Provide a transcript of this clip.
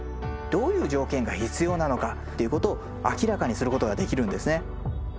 どういう条件が必要なのかっていうことを明らかにすることができるんですね。